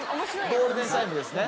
ゴールデンタイムですね